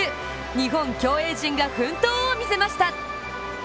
日本競泳陣が奮闘を見せました。